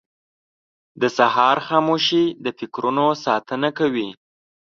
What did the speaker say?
• د سهار خاموشي د فکرونو ساتنه کوي.